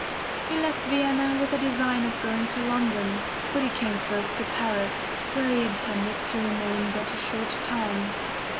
He left Vienna with the design of going to London, but he came first to Paris, where he intended to remain but a short time.